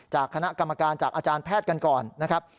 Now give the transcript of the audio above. จากคณะกรรมการจากอาจารย์แพทย์กันก่อนนะครับ